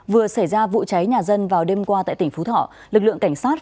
vừa xảy ra vụ cháy nhà dân vào đêm qua tại tỉnh phú thọ lực lượng cảnh sát